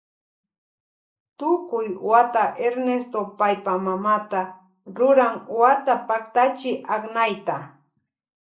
Tukuy wata Ernesto paypa mamata ruran wata paktachi aknayta.